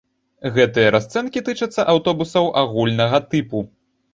Гэтыя расцэнкі тычацца аўтобусаў агульнага тыпу.